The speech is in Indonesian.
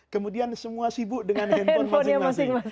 kemudian semua sibuk dengan handphone masing masing